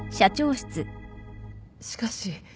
しかし。